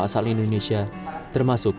asal indonesia termasuk